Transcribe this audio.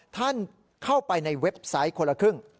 ท่านเข้าไปในเว็บไซต์คนละครึ่ง